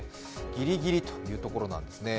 ぎりぎりというところなんですね。